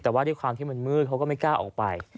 แต่ว่าด้วยความที่มันมืดเขาก็ไม่กล้าออกไป